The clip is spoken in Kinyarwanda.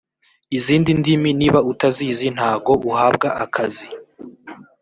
izindi ndimi niba utazizi ntago uhabwa akazi